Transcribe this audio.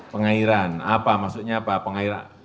pengairan apa maksudnya pak pengairan